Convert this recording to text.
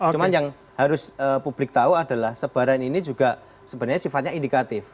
cuma yang harus publik tahu adalah sebaran ini juga sebenarnya sifatnya indikatif